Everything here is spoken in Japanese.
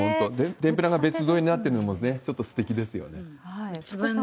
天ぷらが別添えになってるのもちょっとすてきですよね。